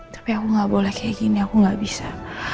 tapi aku gak boleh kayak gini aku gak bisa